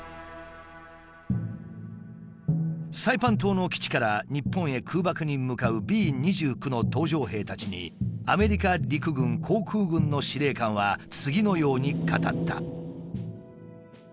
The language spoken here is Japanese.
サイパン島の基地から日本へ空爆に向かうＢ２９の搭乗兵たちにアメリカ陸軍航空軍の司令官は次のように語った。